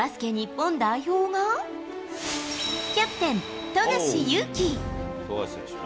日本代表が、キャプテン、富樫勇樹。